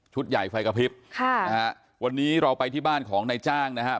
ชุดใหญ่แฟคภิษค่ะเอ้าวันนี้เราไปที่บ้านของนายจ้างนะฮะ